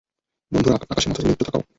বন্ধুরা, আকাশে মাথা তুলে একটু তাকাও?